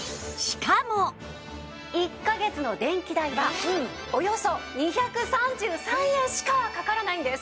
１カ月の電気代はおよそ２３３円しかかからないんです。